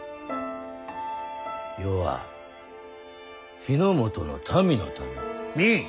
余は日ノ本の民のため明